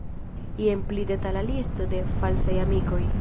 Jen pli detala listo de falsaj amikoj.